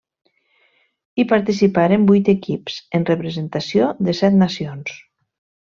Hi participaren vuit equips en representació de set nacions.